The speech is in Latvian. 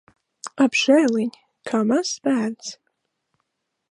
Apžēliņ! Kā mazs bērns.